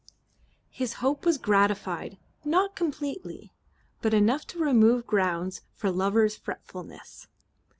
His hope was gratified, not completely, but enough to remove grounds for lover's fretfulness.